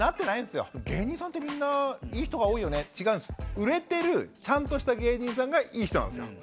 売れてるちゃんとした芸人さんがいい人なんですよ。